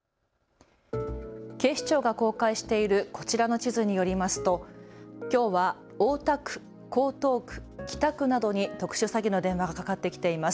警視庁が公開しているこちらの地図によりますときょうは大田区、江東区、北区などに特殊詐欺の電話がかかってきています。